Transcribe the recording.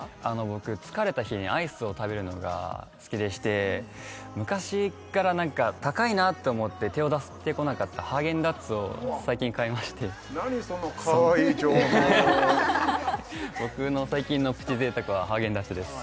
僕疲れた日にアイスを食べるのが好きでして昔っからなんか高いなと思って手を出してこなかったハーゲンダッツを最近買いまして何そのかわいい情報僕の最近のプチ贅沢はハーゲンダッツです